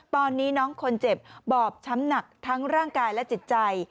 ตอนนี้น้องคนเจ็บบอบช้ำหนักทั้งร่างกายและจิตใจ